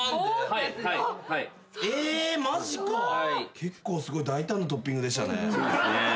結構すごい大胆なトッピングでしたね。